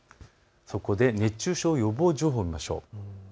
そこで熱中症予防情報を見ましょう。